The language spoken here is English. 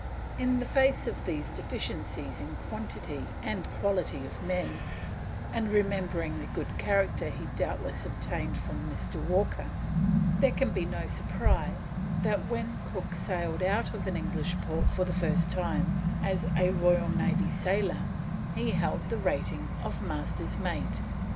In the face of these deficiencies in quantity and quality of men, and remembering the good character he doubtless obtained from Mr. Walker, there can be no surprise that when Cook sailed out of an English port for the first time as a Royal Navy sailor he held the rating of Master's mate.